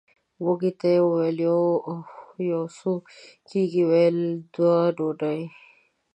وږي ته یې وویل یو او یو څو کېږي ویل دوې ډوډۍ!